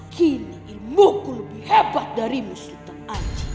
kini ilmuku lebih hebat darimu sultan arji